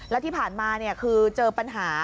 แล้วที่ผ่านมาคือเจอปัญหา